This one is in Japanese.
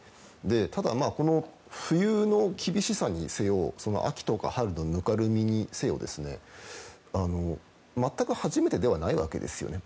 ただ、冬の厳しさにせよ秋とか春のぬかるみにせよ全く初めてではないわけですよね。